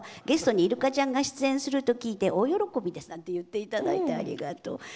ゲストにイルカちゃんが出演すると聞いて大喜びです！」なんて言っていただいてありがとう。